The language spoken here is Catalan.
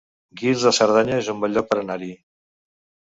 Guils de Cerdanya es un bon lloc per anar-hi